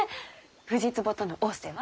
藤壺との逢瀬は？